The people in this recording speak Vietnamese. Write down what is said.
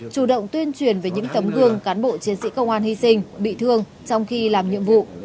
chủ động tuyên truyền về những tấm gương cán bộ chiến sĩ công an hy sinh bị thương trong khi làm nhiệm vụ